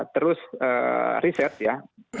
terus riset ya